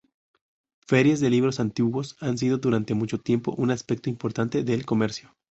Ferias de libros antiguos han sido durante mucho tiempo un aspecto importante del comercio.